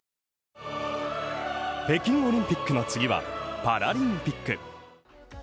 北京オリンピックの次はパラリンピック。